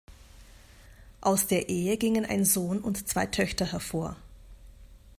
Aus der Ehe gingen ein Sohn und zwei Töchter hervor.